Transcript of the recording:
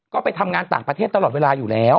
ก็ไปทำงานต่างประเทศตลอดเวลาอยู่แล้ว